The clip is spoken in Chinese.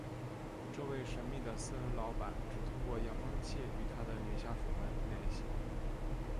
这位神秘的私人老板只通过扬声器与他的女下属们联系。